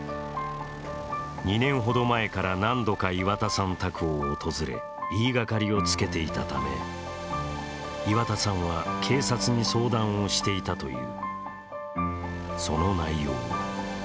２年ほど前から何度か岩田さん宅を訪れ、言いがかりをつけていたため岩田さんは、警察に相談をしていたという。